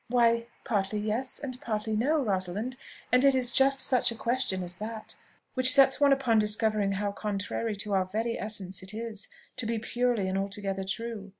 "Why, partly yes, and partly no, Rosalind; and it is just such a question as that which sets one upon discovering how contrary to our very essence it is, to be purely and altogether true.